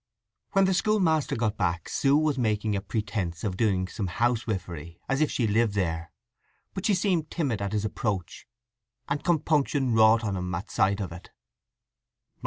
When the schoolmaster got back Sue was making a pretence of doing some housewifery as if she lived there. But she seemed timid at his approach, and compunction wrought on him at sight of it.